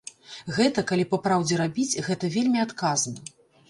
Гэта, калі па-праўдзе рабіць, гэта вельмі адказна.